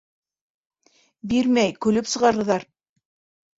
Бирмәй, көлөп сығарырҙар.